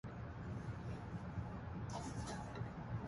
His papers were donated to the University of Chicago, his alma mater.